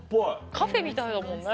カフェみたいだもんね。